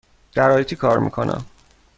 در آی تی کار می کنم.